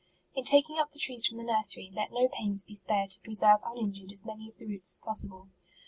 In taking up the trees from the nursery, let no pains be spared to preserve uninjured as many of the roots as possible.